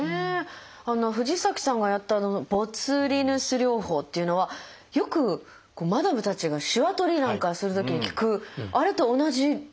藤崎さんがやったボツリヌス療法っていうのはよくマダムたちがしわ取りなんかするときに聞くあれと同じですか？